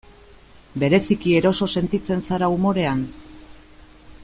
Bereziki eroso sentitzen zara umorean?